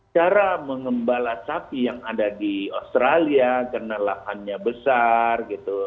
cara mengembala sapi yang ada di australia karena lahannya besar gitu